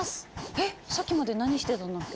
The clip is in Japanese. えっさっきまで何してたんだっけ？